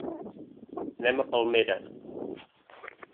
Anem a Palmera.